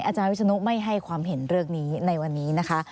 อาจารย์วิศนุไม่ให้ความเห็นเรื่องนี้ในวันนี้นะคะ